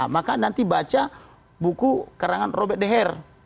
maka nanti baca buku karangan robert deher